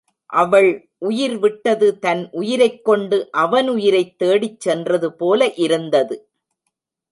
அவள் உயிர்விட்டது தன் உயிரைக் கொண்டு அவன் உயிரைத் தேடிச் சென்றது போல இருந்தது.